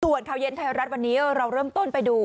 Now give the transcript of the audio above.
ส่วนข่าวเย็นไทยรัฐวันนี้เราเริ่มต้นไปดู